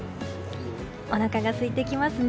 おなかがすいてきますね。